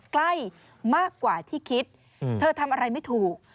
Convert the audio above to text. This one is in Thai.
ใกล้มากกว่าที่คิดเธอทำอะไรไม่ถูก